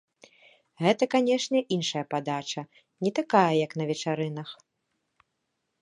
Гэта, канечне, іншая падача, не такая, як на вечарынах.